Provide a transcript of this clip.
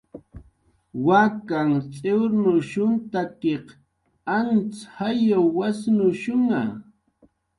Wakanh t'iwrnushunhtakiq antz jayw wasnushnha